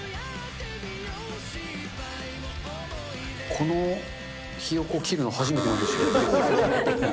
このひよこ切るの初めてなんで、ちょっと。